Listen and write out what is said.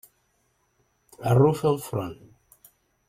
Arrufa el front.